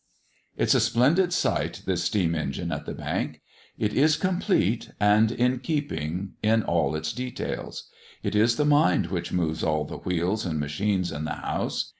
It's a splendid sight, this steam engine at the Bank! It is complete, and in keeping in all its details. It is the mind which moves all the wheels and machines in the house.